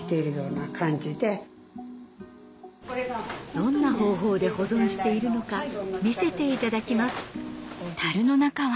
どんな方法で保存しているのか見せていただきます